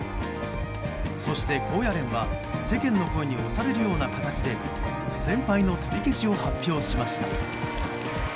そして高野連は世間の声に押されるような形で不戦敗の取り消しを発表しました。